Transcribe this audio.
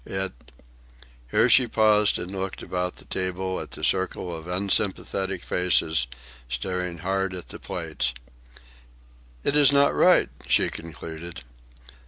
It—" Here she paused and looked about the table at the circle of unsympathetic faces staring hard at the plates. "It is not right," she concluded.